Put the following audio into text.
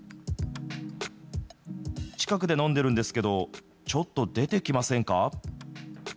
近くで飲んでるんですけど、ちょっと出てきませんか。